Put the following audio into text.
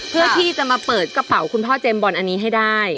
เพื่อที่จะมาเปิดกระเป๋าคุณพ่อเจมสบอลอันนี้ให้ได้